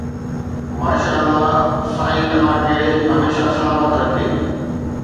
ماشاءالله سائين توهان کي هميشه سلامت رکي